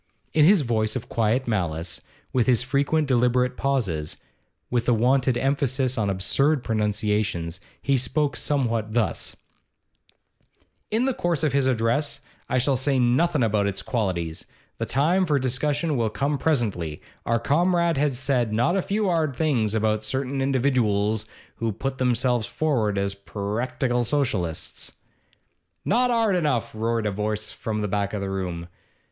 In his voice of quiet malice, with his frequent deliberate pauses, with the wonted emphasis on absurd pronunciations, he spoke somewhat thus: 'In the course of his address I shall say nothin' about its qualities, the time for discussion will come presently our Comrade has said not a few 'ard things about certain individooals who put themselves forward as perractical Socialists ' 'Not 'ard enough!' roared a voice from the back of the room.